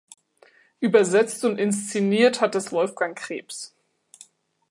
Übersetzt und inszeniert hat es Wolfgang Krebs.